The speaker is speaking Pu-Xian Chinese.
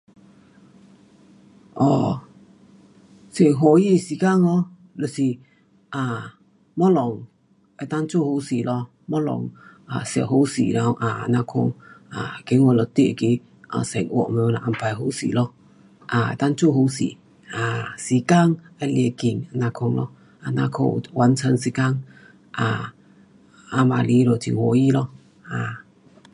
哦，很欢喜时间咯就是，啊，东西能够做好势咯，东西啊写好势了，啊，这样款。啊，觉得你那个生活全部安排好势咯。啊，能够做好势，啊，时间非常快，这样款咯，这样款完成时间，啊，啊晚来就很欢喜咯。啊